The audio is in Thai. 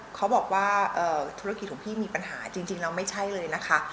เขาบอกว่าธุรกิจของพี่มีปัญหาจริงแล้วไม่ใช่เลยนะคะ